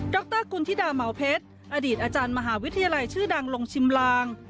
รกุณฑิดาเหมาเพชรอดีตอาจารย์มหาวิทยาลัยชื่อดังลงชิมลาง